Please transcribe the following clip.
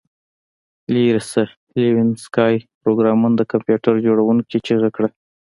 لیرې شه لیوک سکای پروګرامر د کمپیوټر جوړونکي چیغه کړه